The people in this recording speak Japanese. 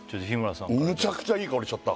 むちゃくちゃいい香りしちゃった